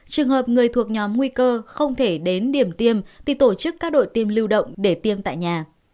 trường hợp người thuộc nhóm nguy cơ không thể đến điểm tiêm thì tổ chức các đội tiêm lưu động để tiêm tại nhà